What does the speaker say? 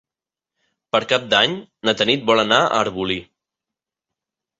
Per Cap d'Any na Tanit vol anar a Arbolí.